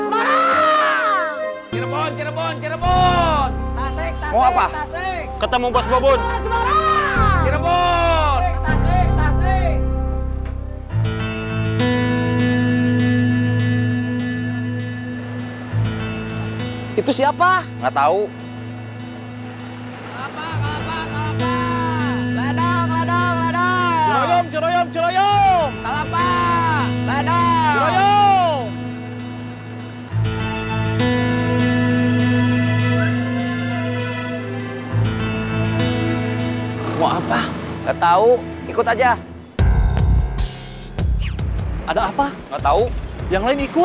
balik ke posisi masing masing